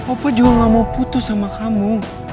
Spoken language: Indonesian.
opa juga gak mau putus sama kamu